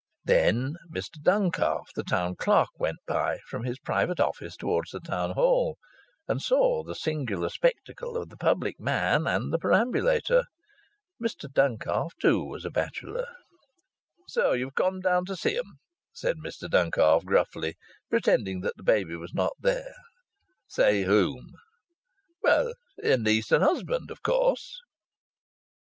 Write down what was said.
Then Mr Duncalf, the Town Clerk, went by, from his private office, towards the Town Hall, and saw the singular spectacle of the public man and the perambulator. Mr Duncalf, too, was a bachelor. "So you've come down to see 'em," said Mr Duncalf, gruffly, pretending that the baby was not there. "See whom?" "Well, your niece and her husband, of course."